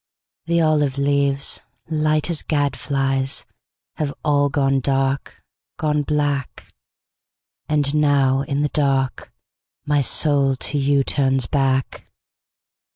The olive leaves, light as gad flies, Have all gone dark, gone black. And now in the dark my soul to youTurns back.